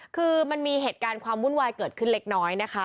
คือมันมีเหตุการณ์ความวุ่นวายเกิดขึ้นเล็กน้อยนะคะ